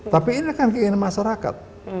tapi ini kan keinginan masyarakat